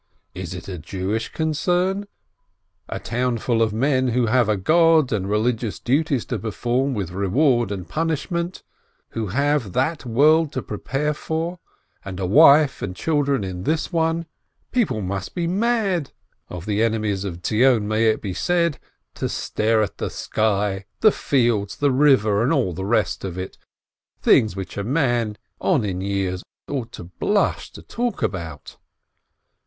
Is it a Jewish concern ? A townf ul of men who have a God, and reli gious duties to perform, with reward and punishment, who have that world to prepare for, and a wife and children in this one, people must be mad (of the enemies of Zion be it said!) to stare at the sky, the fields, the river, and all the rest of it — things which a man on in years ought to blush to talk about.